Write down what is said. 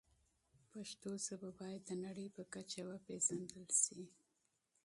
پښتو ژبه باید د نړۍ په کچه وپیژندل شي.